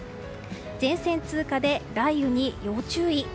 前線通過で雷雨に要注意。